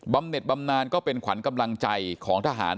เน็ตบำนานก็เป็นขวัญกำลังใจของทหาร